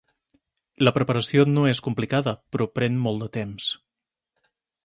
La preparació no és complicada però pren molt de temps.